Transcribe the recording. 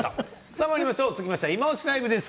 続きまして「いまオシ！ＬＩＶＥ」です。